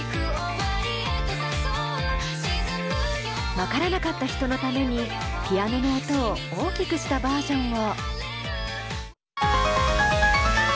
分からなかった人のためにピアノの音を大きくしたバージョンを。